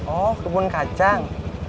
oh kebun kacang